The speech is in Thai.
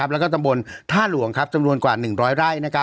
แล้วก็ตำบลท่าหลวงจำนวนกว่า๑๐๐ไร่